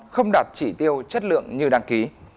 không đạt chỉ tiêu chất lượng như đăng ký